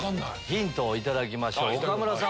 ヒントを頂きましょう岡村さん